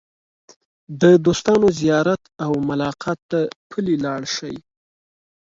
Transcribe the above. د دوستانو زیارت او ملاقات ته پلي لاړ شئ.